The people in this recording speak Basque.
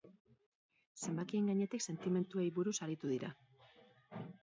Zenbakien gainetik, sentimentuei buruz aritu dira.